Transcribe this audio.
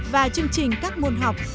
và chương trình các môn học